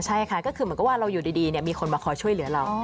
ใช่ค่ะก็คือเหมือนกับว่าเราอยู่ดีมีคนมาคอยช่วยเหลือเรา